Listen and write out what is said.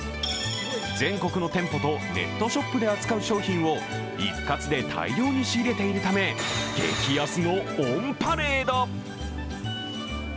全国の店舗とネットショップで扱う商品を一括で大量に仕入れているため激安のオンパレード。